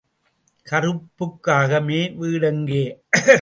கறுப்புக் காகமே, வீடெங்கே?